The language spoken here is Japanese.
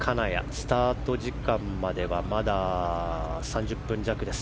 スタート時間まではまだ３０分弱です。